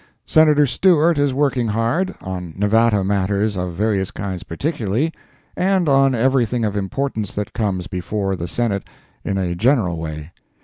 Senator Stewart is working hard, on Nevada matters of various kinds, particularly, and on everything of importance that comes before the Senate, in a general way.